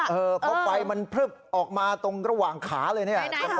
เพราะไฟมันพลึบออกมาตรงระหว่างขาเลยเนี่ย